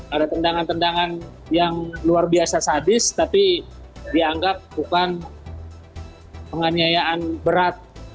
ada tendangan tendangan yang luar biasa sadis tapi dianggap bukan penganiayaan berat